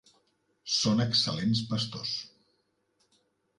Són excel·lents pastors.